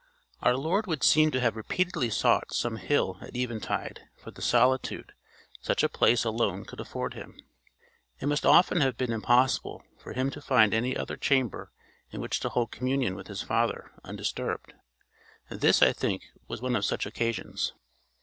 Our Lord would seem to have repeatedly sought some hill at eventide for the solitude such a place alone could afford him. It must often have been impossible for him to find any other chamber in which to hold communion with his Father undisturbed. This, I think, was one of such occasions.